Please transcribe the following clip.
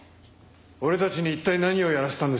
俺たちに一体何をやらせたんですか？